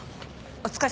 お疲れ。